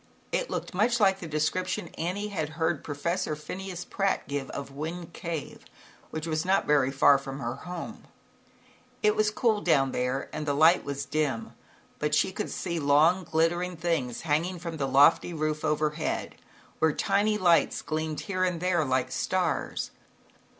It looked much like the description Annie had heard Pro fessor Phineas Pratt give of Wind Cave, which was not very far from her home. 112 ZAUBERLINDA, THE WISE WITCH. It was cool down there, and the light was dim, but she could see long, glitter ing things hanging from the lofty roof overhead, where tiny lights gleamed here and there, like stars.